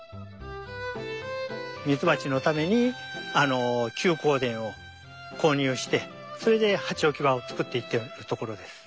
ミツバチのためにあの休耕田を購入してそれでハチ置き場を作っていっているところです。